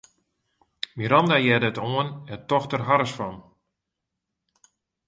Miranda hearde it oan en tocht der harres fan.